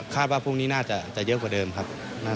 ว่าพรุ่งนี้น่าจะเยอะกว่าเดิมครับ